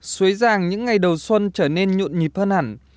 xuế giang những ngày đầu xuân trở nên nhuộn nhịp hơn hẳn